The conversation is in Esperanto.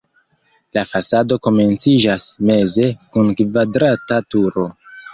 La fasado komenciĝas meze kun kvadrata turo.